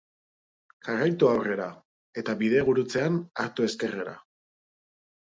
Jarraitu aurrera, eta bidegurutzean hartu ezkerrera